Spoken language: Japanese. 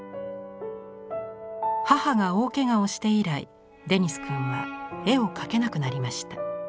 母が大けがをして以来デニス君は絵を描けなくなりました。